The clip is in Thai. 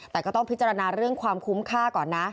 แต่ก็ต้องพิจารณาเรื่องความคุ้มค่าก่อนนะ